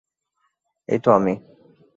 এই তো আমি।